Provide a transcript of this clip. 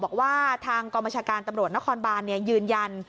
บอกว่าทางกรมชาการตำรวจนครบานยืนยัน